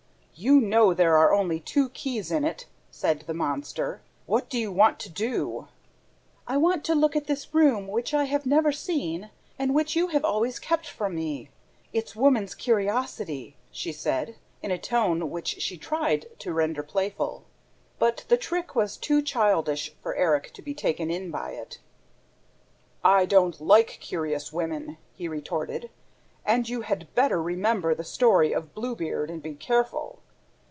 "You know there are only two keys in it," said the monster. "What do you want to do?" "I want to look at this room which I have never seen and which you have always kept from me ... It's woman's curiosity!" she said, in a tone which she tried to render playful. But the trick was too childish for Erik to be taken in by it. "I don't like curious women," he retorted, "and you had better remember the story of BLUE BEARD and be careful